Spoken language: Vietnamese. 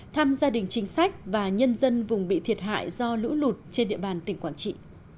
thăm gia đình chính sách và nhân dân vùng bị thiệt hại do lũ lụt trên địa bàn tỉnh quảng trị